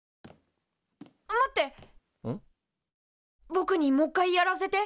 ぼくにもう一回やらせて。